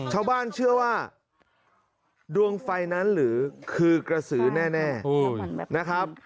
ชาวบ้านเชื่อว่าดวงไฟนั้นหรือคือกระสือแน่นะครับ